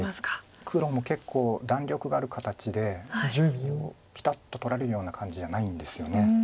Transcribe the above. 黒も結構弾力がある形でピタッと取られるような感じじゃないんですよね。